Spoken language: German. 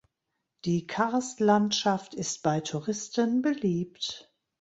Die Karstlandschaft ist bei Touristen beliebt.